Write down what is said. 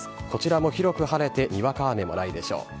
こちらも広く晴れて、にわか雨もないでしょう。